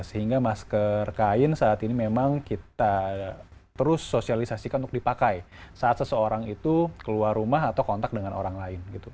sehingga masker kain saat ini memang kita terus sosialisasikan untuk dipakai saat seseorang itu keluar rumah atau kontak dengan orang lain